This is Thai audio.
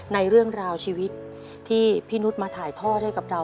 ในเรื่องราวชีวิตที่พี่นุษย์มาถ่ายทอดให้กับเรา